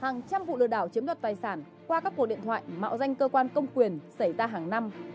hàng trăm vụ lừa đảo chiếm đoạt tài sản qua các cuộc điện thoại mạo danh cơ quan công quyền xảy ra hàng năm